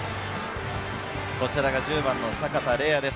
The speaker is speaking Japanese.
こちらが１０番の阪田澪哉です。